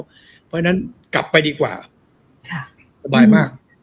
เพราะฉะนั้นกลับไปดีกว่าอุบายมาก